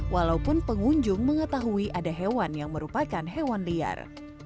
walaupun pengunjung mengetahui ada hewan yang merupakan hewan liar